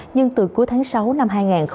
nhưng từ cuối tháng sáu năm hai nghìn hai mươi